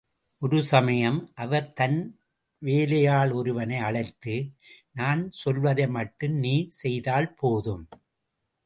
ஒரு சமயம், அவர் தன் வேலையாள் ஒருவனை அழைத்து, நான் சொல்வதை மட்டும் நீ செய்தால் போதும்.